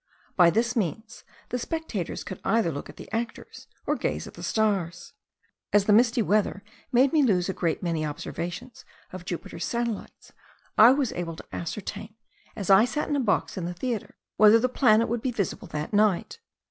By this means the spectators could either look at the actors or gaze at the stars. As the misty weather made me lose a great many observations of Jupiter's satellites, I was able to ascertain, as I sat in a box in the theatre, whether the planet would be visible that night.